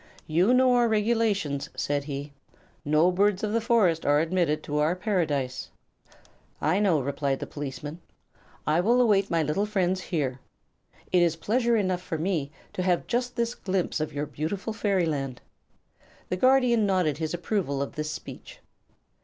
"You know our regulations," said he; "no birds of the forest are admitted to our Paradise." "I know," replied the policeman. "I will await my little friends here. It is pleasure enough for me to have just this glimpse of your beautiful fairyland." The Guardian nodded his approval of this speech.